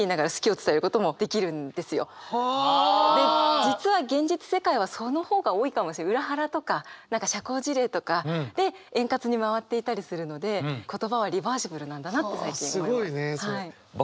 実は現実世界はその方が多いかも裏腹とか何か社交辞令とかで円滑に回っていたりするので言葉はリバーシブルなんだなって最近思います。